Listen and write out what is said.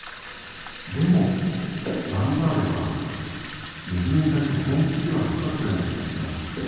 でもランダーレはネズミに対して本気ではなかったような気がします。